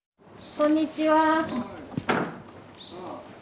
こんにちは。